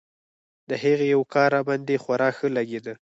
د هغې يو کار راباندې خورا ښه لګېده.